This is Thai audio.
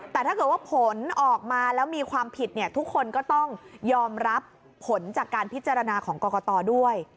แต่ถ้าเกิดว่าผลออกมาแล้วมีความผิดเนี่ยทุกคนก็ต้องยอมรับผลจากการพิจารณาของกรกตด้วย